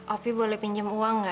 api boleh pinjam uang nggak